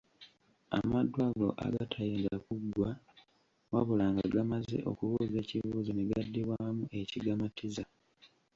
Amaddu ago agatayinza kuggwa wabula nga gamaze okubuuza ekibuuzo ne gaddibwamu ekigamatiza.